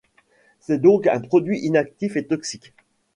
C’est donc un produit inactif et toxique.